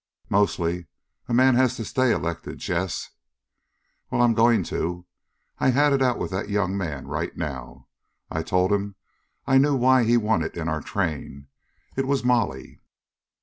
"Mostly, a man has to stay elected, Jess." "Well, I'm going to! I had it out with that young man right now. I told him I knew why he wanted in our train it was Molly."